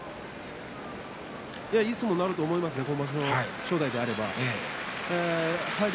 いい相撲になると思いますよ、今場所の正代であれば。